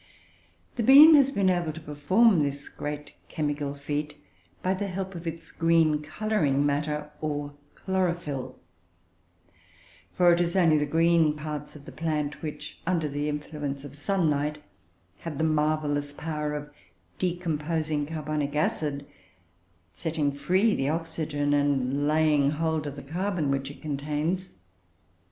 The bean has been able to perform this great chemical feat by the help of its green colouring matter, or chlorophyll; for it is only the green parts of the plant which, under the influence of sunlight, have the marvellous power of decomposing carbonic acid, setting free the oxygen and laying hold of the carbon which it contains.